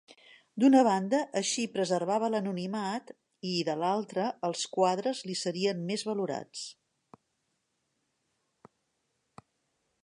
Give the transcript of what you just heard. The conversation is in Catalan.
D'una banda, així preservava l'anonimat i, de l'altra, els quadres li serien més valorats.